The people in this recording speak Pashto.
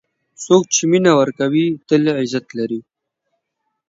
څوک چې مینه ورکوي، تل عزت لري.